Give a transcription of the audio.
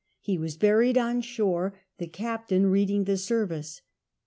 He was buried on shore, the captain reading the service.